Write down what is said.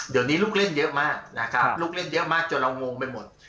เดี๋ยวนี้ลูกเล่นเยอะมากนะครับลูกเล่นเยอะมากจนเรางงไปหมด